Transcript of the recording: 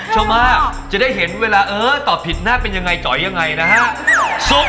จะได้ได้เวลาตอบผิดน่ามียังไงจ่อยยังไงนะครับ